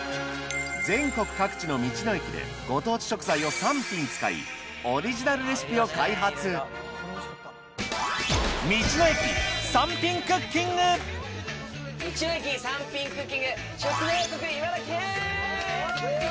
全国各地の道の駅でご当地食材を３品使いオリジナルレシピを開発よいしょ！